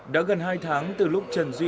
đã gần hai tháng từ lúc trần duy